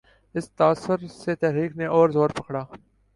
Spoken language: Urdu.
اس تاثر سے تحریک نے اور زور پکڑا۔